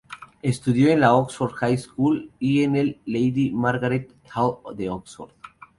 Estudió en la Oxford High School y en el Lady Margaret Hall de Oxford.